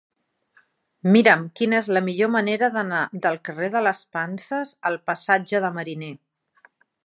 Mira'm quina és la millor manera d'anar del carrer de les Panses al passatge de Mariné.